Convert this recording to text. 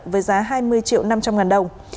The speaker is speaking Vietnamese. với giá hai mươi triệu năm trăm linh ngàn đồng